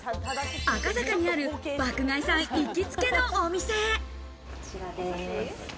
赤坂にある爆買いさん行きつけのお店へ。